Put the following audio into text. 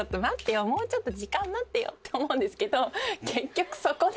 もうちょっと時間待ってよって思うんですけど結局そこで？